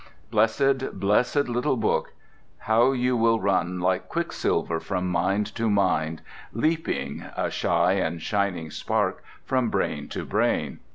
Blessed, blessed little book, how you will run like quicksilver from mind to mind, leaping—a shy and shining spark—from brain to brain!